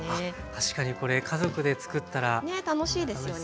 確かにこれ家族でつくったら楽しそうですね。